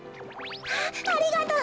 あっありがとう！